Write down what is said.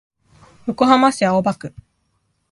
横浜市青葉区